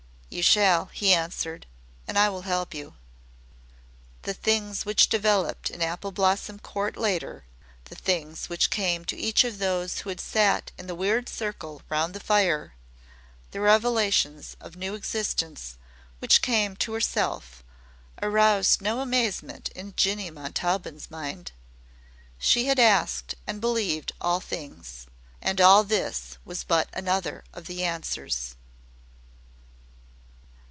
"You shall," he answered, "and I will help you." The things which developed in Apple Blossom Court later, the things which came to each of those who had sat in the weird circle round the fire, the revelations of new existence which came to herself, aroused no amazement in Jinny Montaubyn's mind. She had asked and believed all things and all this was but another of the Answers.